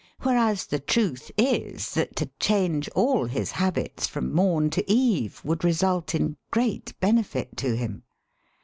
Whereas the truth is that to change all his habits from mom to eve would result in great benefit to him.